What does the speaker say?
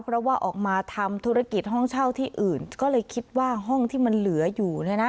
เพราะว่าออกมาทำธุรกิจห้องเช่าที่อื่นก็เลยคิดว่าห้องที่มันเหลืออยู่เนี่ยนะ